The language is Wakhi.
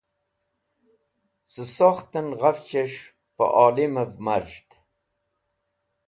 Cẽ kũk̃htẽn ghafchẽs̃h pẽ olimv marz̃hd.